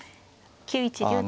９一竜と。